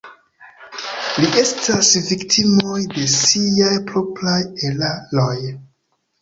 Ili estas viktimoj de siaj propraj eraroj.